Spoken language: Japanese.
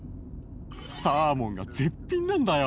サーモンが絶品なんだよ